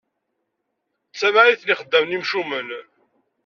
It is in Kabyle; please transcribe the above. D tamɛayt n ixeddamen imcumen.